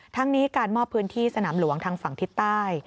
ทั้งนี้การมอบพื้นที่สนามหลวงทางฝั่งทิศใต้